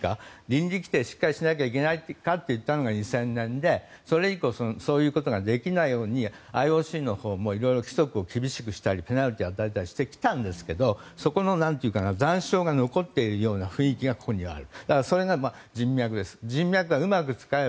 倫理規定をしっかりしないといけないんじゃないかといったのは２０００年で、それ以降そういうことができないようにＩＯＣもいろいろ規則を厳しくしたりペナルティーを与えてきたんですがそこの残照が残っているような雰囲気がここにある。